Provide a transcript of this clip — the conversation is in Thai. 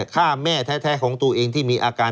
ฆ่าแม่แท้ของตัวเองที่มีอาการ